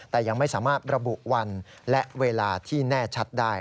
แต่ยังไม่สามารถระบุวันและเวลาที่แน่ชัดได้